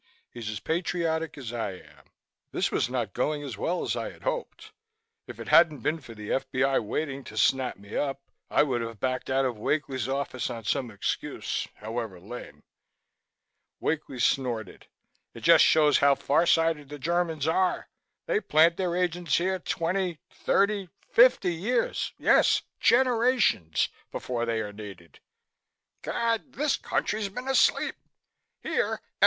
He's as patriotic as I am." This was not going as well as I had hoped. If it hadn't been for the F.B.I. waiting to snap me up, I would have backed out of Wakely's office on some excuse, however lame. Wakely snorted. "It just shows how far sighted the Germans are. They plant their agents here twenty thirty fifty years yes, generations before they are needed. Gad! this country's been asleep. Here M.